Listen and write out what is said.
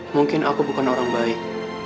mungkin aku bukan orang baik